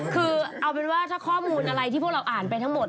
คือเอาเป็นว่าถ้าข้อมูลอะไรที่พวกเราอ่านไปทั้งหมด